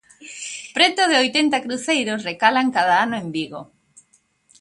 Preto de oitenta cruceiros recalan cada ano en Vigo.